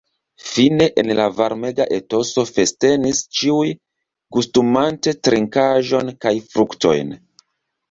Fine, en la varmega etoso festenis ĉiuj, gustumante trinkaĵon kaj fruktojn.